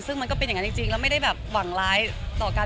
ซึ่งมันก็เป็นอย่างนั้นจริงแล้วไม่ได้แบบหวังร้ายต่อกัน